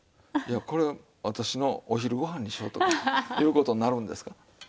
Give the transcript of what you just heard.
いやこれ私のお昼ご飯にしようとかいう事になるんですから。